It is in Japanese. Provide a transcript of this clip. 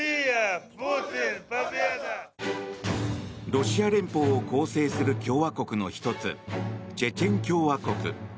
ロシア連邦を構成する共和国の１つチェチェン共和国。